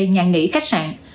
nhà nghỉ khách sạn